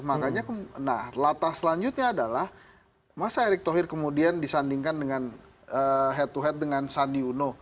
makanya nah latah selanjutnya adalah masa erick thohir kemudian disandingkan dengan head to head dengan sandi uno